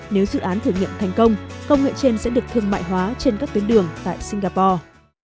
nếu dự án thử nghiệm thành công công nghệ trên sẽ được thương mại hóa trên các tuyến đường tại singapore